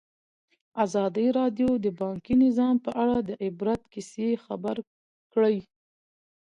ازادي راډیو د بانکي نظام په اړه د عبرت کیسې خبر کړي.